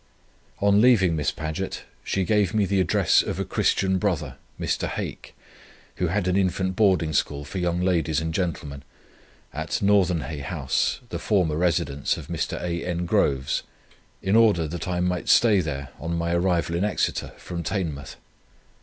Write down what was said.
"On leaving Miss Paget, she gave me the address of a Christian brother, Mr. Hake, who had an Infant Boarding School for young ladies and gentlemen, at Northernhay House, the former residence of Mr. A. N. Groves, in order that I might stay there on my arrival in Exeter from Teignmouth.